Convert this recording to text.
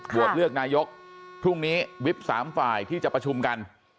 เลือกนายกพรุ่งนี้วิบ๓ฝ่ายที่จะประชุมกัน